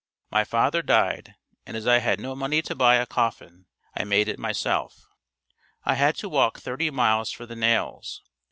My father died and as I had no money to buy a coffin, I made it myself. I had to walk thirty miles for the nails.